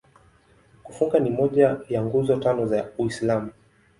Kufunga ni moja ya Nguzo Tano za Uislamu.